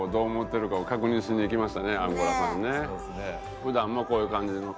普段もこういう感じの方ですか？